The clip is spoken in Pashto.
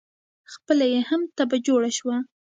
خپله یې هم تبعه جوړه شوه.